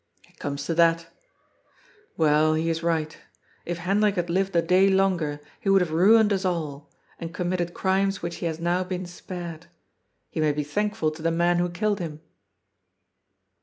It comes to that. Well, he is right If Hendrik had liyed a day longer he would have ruined us all, and committed crimes which he has now been spared. He may be thankful to the man who killed him."